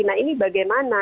nah ini bagaimana